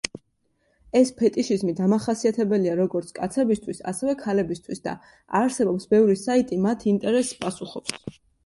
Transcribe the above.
ეს ფეტიშიზმი დამახასიათებელია როგორც კაცებისთვის, ასევე ქალებისთვის და არსებობს ბევრი საიტი მათ ინტერესს პასუხობს.